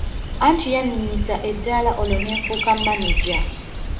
Anti yanninnyisa eddaala olwo ne nfuuka maneja.